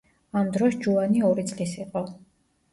ამ დროს ჯოანი ორი წლის იყო.